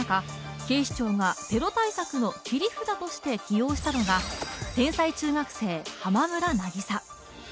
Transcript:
警視庁がテロ対策の切り札として起用したのが天才中学生・浜村渚